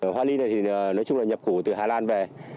hoa ly này thì nói chung là nhập khẩu từ hà lan về